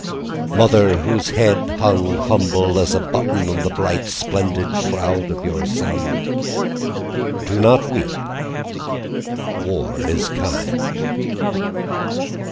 Mother whose heart hung humble as a button On the bright splendid shroud of your son, Do not weep. War is kind.